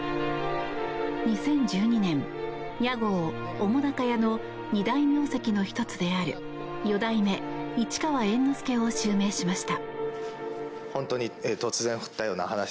２０１２年、屋号澤瀉屋の二大名跡の一つである四代目市川猿之助を襲名しました。